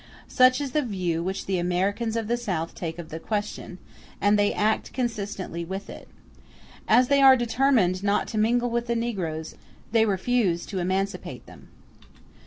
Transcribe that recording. Such is the view which the Americans of the South take of the question, and they act consistently with it. As they are determined not to mingle with the negroes, they refuse to emancipate them.